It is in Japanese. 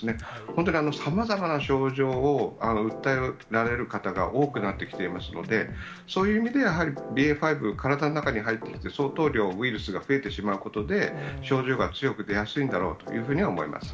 本当にさまざまな症状を訴えられる方が多くなってきていますので、そういう意味でやはりＢＡ．５、体の中に入ってきて、相当量、ウイルスが増えてしまうことで、症状が強く出やすいんだろうというふうには思います。